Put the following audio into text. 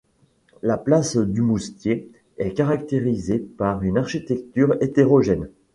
La place Dumoustier est caractérisée par une architecture hétérogène.